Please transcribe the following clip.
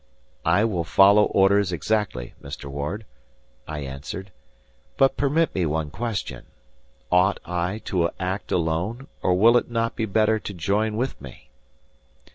"I will follow orders exactly, Mr. Ward," I answered. "But permit me one question. Ought I to act alone, or will it not be better to join with me?"